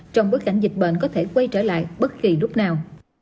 trong bối cảnh dịch bệnh có thể quay trở lại bất kỳ lúc nào